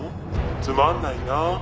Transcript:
「つまんないなあ」